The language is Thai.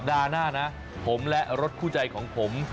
สัปดาห์หน้านะผมและรถคู่ใจของผม